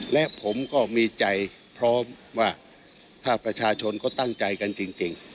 และผมก็มีใจพร้อมว่าถ้าประชาชนเขาตั้งใจกันจริง